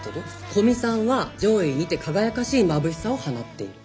古見さんは上位にて輝かしいまぶしさを放っている。